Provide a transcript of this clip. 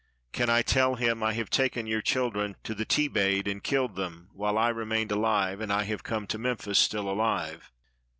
Can I tell him, 'I have taken your children to the Thebaid and killed them, while I remained alive, and I have come to Memphis still alive?'"